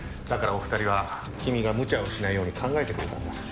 だからお二人は君がむちゃをしないように考えてくれたんだ。